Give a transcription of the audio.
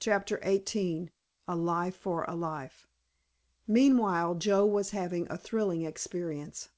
*CHAPTER XVIII* *A LIFE FOR A LIFE* Meanwhile Joe was having a thrilling experience.